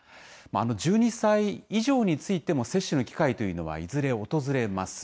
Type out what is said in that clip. １２歳以上についても接種の機会というのはいずれ訪れます。